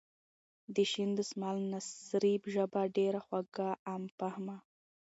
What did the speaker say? د شین دسمال نثري ژبه ډېره خوږه ،عام فهمه.